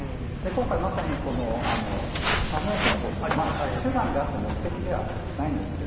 今回、まさに社名変更は手段であって、目的ではないんですね。